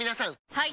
はい！